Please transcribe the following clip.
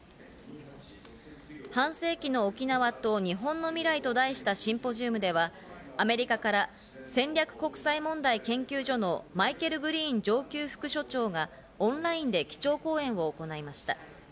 「半世紀の沖縄と日本の未来」と題したシンポジウムでは、アメリカから戦略国際問題研究所のマイケル・グリーン上級副所長がオンラインで基調講演を行いました。